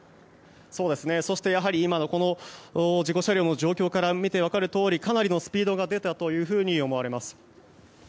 やはり今の事故車両の状況から見て分かるとおりかなりのスピードが出たというふうに思われます。